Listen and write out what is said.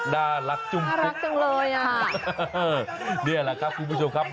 น่ารักจุงพุกนี่แหละครับคุณผู้ชมครับ